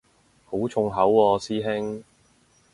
好重口喎師兄